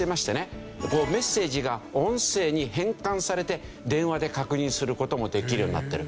メッセージが音声に変換されて電話で確認する事もできるようになってる。